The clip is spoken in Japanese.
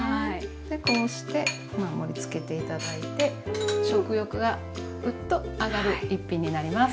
でこうして盛りつけて頂いて食欲がグッと上がる一品になります。